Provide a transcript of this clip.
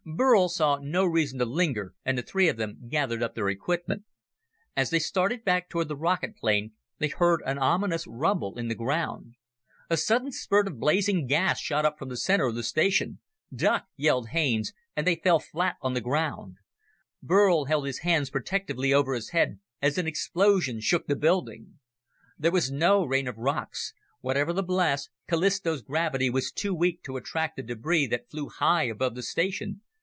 Burl saw no reason to linger, and the three of them gathered up their equipment. As they started back toward the rocket plane, they heard an ominous rumble in the ground. A sudden spurt of blazing gas shot up from the center of the station. "Duck!" yelled Haines, and they fell flat on the ground. Burl held his hands protectively over his head, as an explosion shook the building. There was no rain of rocks. Whatever the blast, Callisto's gravity was too weak to attract the debris that flew high above the station.